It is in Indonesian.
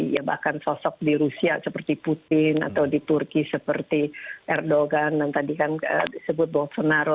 ya bahkan sosok di rusia seperti putin atau di turki seperti erdogan dan tadi kan disebut bolsonaro